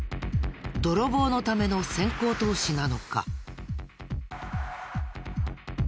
泥棒のための先行投資なのか？